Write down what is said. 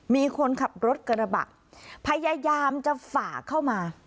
มีคนขับรถกระบะพยายามจะฝ่าเข้ามา